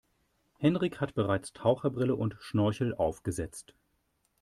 Henrik hat bereits Taucherbrille und Schnorchel aufgesetzt.